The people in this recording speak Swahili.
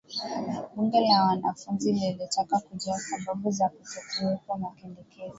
bunge la wanafunzi lilitaka kujua sababu za kutokuwepo mapendekezo